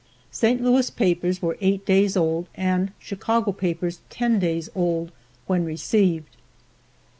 St. Louis papers were eight days old and Chicago papers ten days old when received.